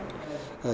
chúng ta sẽ